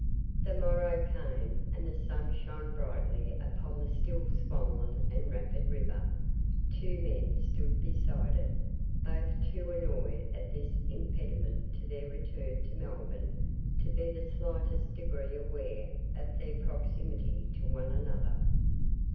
The morrow came, and the sun shone brightly upon the still swollen and rapid river. Two men stood beside it, both too annoyed at this impediment to their return to Melbourne to be in the slightest degree aware of their proximity to one another.